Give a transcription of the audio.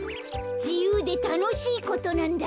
じゆうでたのしいことなんだ。